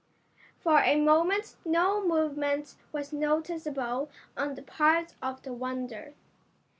For a moment no movement was noticeable on the part of the Wonder.